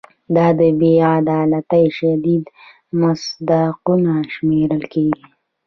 دا د بې عدالتۍ شدید مصداقونه شمېرل کیږي.